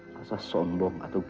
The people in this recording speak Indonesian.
rasa sombong atau gengsi